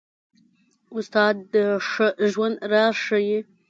استاد د ښه ژوند راز ښيي.